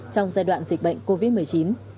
trong giai đoạn dịch bệnh covid một mươi chín